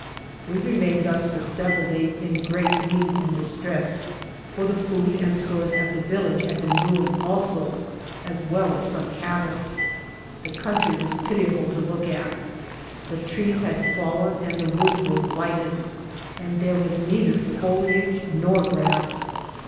We remained thus for several days in great need and distress, for the food and stores at the village had been ruined also, as well as some cattle. The country was 6 ALVAR NUNEZ CABEZA DE VACA pitiable to look at. The trees had fallen and the woods were blighted, and there was neither foliage nor grass.